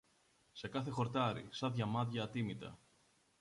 σε κάθε χορτάρι, σα διαμάντια ατίμητα.